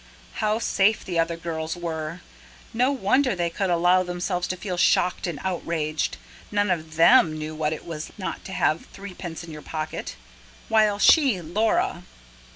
How safe the other girls were! No wonder they could allow themselves to feel shocked and outraged; none of THEM knew what it was not to have threepence in your pocket. While she, Laura